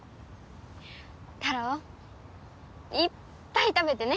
タロウいっぱい食べてね！